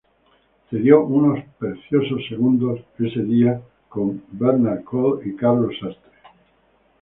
Cedió unos preciosos segundos ese día con Bernhard Kohl y Carlos Sastre.